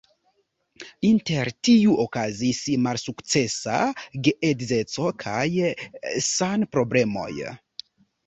Inter tiu okazis malsukcesa geedzeco kaj sanproblemoj.